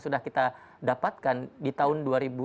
sudah kita dapatkan di tahun